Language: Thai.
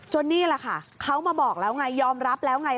นี่แหละค่ะเขามาบอกแล้วไงยอมรับแล้วไง